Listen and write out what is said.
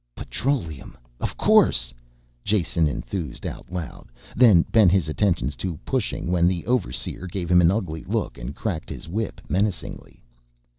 "Petroleum of course!" Jason enthused out loud, then bent his attentions to pushing when the overseer gave him an ugly look and cracked his whip menacingly.